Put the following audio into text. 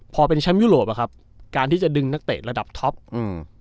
พอเป็นแชมป์ยุโรปอ่ะครับการที่จะดึงนักเตะระดับท็อปอืม